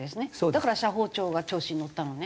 だから社保庁が調子に乗ったのね？